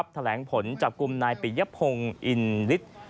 แถลงผลจับกลุ่มนายปิยพงศ์อินฤทธิ์